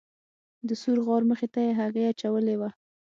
د ثور غار مخې ته یې هګۍ اچولې وه.